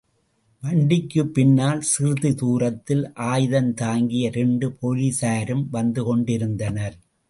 வண்டிக்குப்பின்னால் சிறிது தூரத்தில் ஆயுதந்தாங்கிய இரண்டு போலிஸாரும் வந்துகொண்டிருந்தனர்.